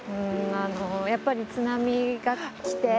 やっぱり津波が来て。